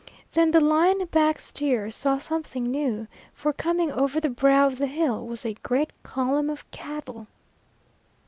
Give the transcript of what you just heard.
Then the line back steer saw something new, for coming over the brow of the hill was a great column of cattle.